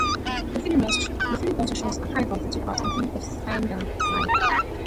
The film also shows archival photographs and film of Snyder's life.